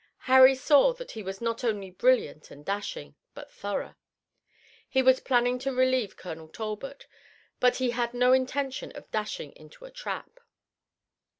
Harry saw that he was not only brilliant and dashing, but thorough. He was planning to relieve Colonel Talbot, but he had no intention of dashing into a trap.